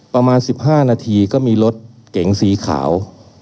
ประมาณ๑๕นาทีก็มีรถเก๋งสีขาว